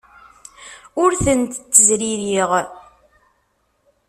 Ur tent-ttezririɣ.